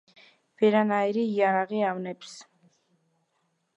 ვერანაირი იარაღი ავნებს.